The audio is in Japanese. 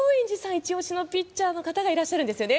イチ押しのピッチャーの方がいらっしゃるんですよね。